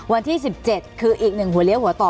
วันที่๑๗คืออีกหนึ่งหัวเลี้ยหัวต่อ